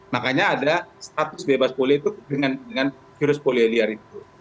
makanya ada status bebas poli itu dengan virus polio liar itu